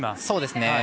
そうですね。